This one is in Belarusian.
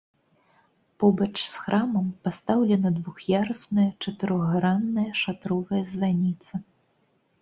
Побач з храмам пастаўлена двух'ярусная чатырохгранная шатровая званіца.